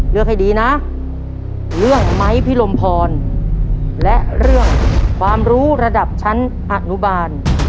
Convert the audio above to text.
ให้ดีนะเรื่องไม้พิรมพรและเรื่องความรู้ระดับชั้นอนุบาล